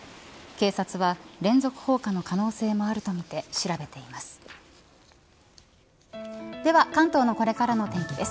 警察は連続放火の可能性もあるとみて調べています。